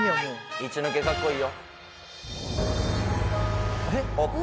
イチ抜けかっこいいよ